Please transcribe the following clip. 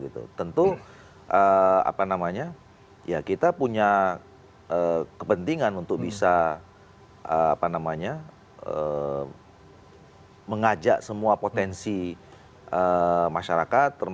tentu kita punya kepentingan untuk bisa mengajak semua potensi masyarakat